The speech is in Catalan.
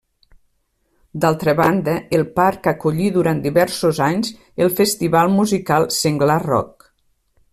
D'altra banda, el parc acollí durant diversos anys el festival musical Senglar Rock.